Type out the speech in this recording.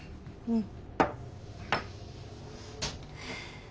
うん。